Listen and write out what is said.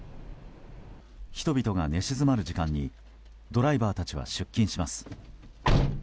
人々が寝静まる時間にドライバーたちは出勤します。